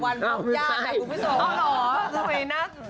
วันปลอบยากแต่กูไม่ส่ง